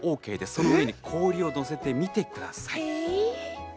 その上に氷をのせてみてください。